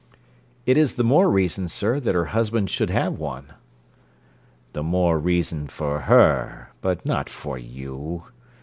'It is the more reason, sir, that her husband should have one.' 'The more reason for her; but not for you.